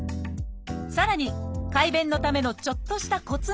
さらに快便のためのちょっとしたコツも！